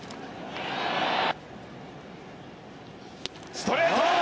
ストレート！